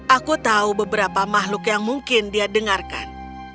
aku tahu beberapa makhluk yang mungkin dia dengarkan